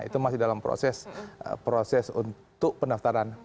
itu masih dalam proses untuk pendaftaran